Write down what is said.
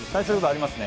ありますね。